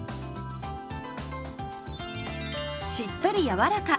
しっとり柔らか！